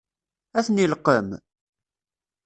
Ad ten-ileqqem?